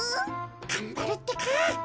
がんばるってか。